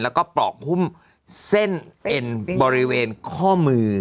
แล้วก็ปลอกหุ้มเส้นเอ็นบริเวณข้อมือ